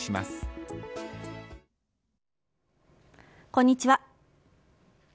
こんにちは。